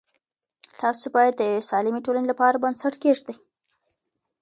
تاسو باید د یوې سالمه ټولنې لپاره بنسټ کېږدئ.